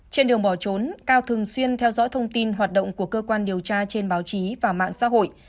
trên đường bỏ trốn cao thường xuyên theo dõi thông tin hoạt động của cơ quan điều tra trên báo chí và mạng xã hội